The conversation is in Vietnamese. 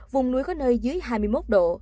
vùng núi có nơi dưới hai mươi một độ